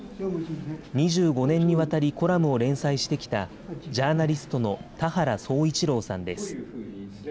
２５年にわたり、コラムを連載してきたジャーナリストの田原総一朗さんです。